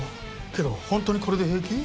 けどホントにこれで平気？